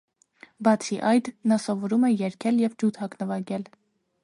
Բացի այդ, նա սովորում է երգել և ջութակ նվագել։